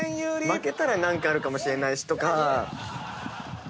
「負けたら何かあるかもしれないしとか」